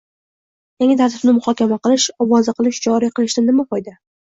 Yangi tartibni muhokama qilish, ovoza qilish, joriy qilishdan nima foyda?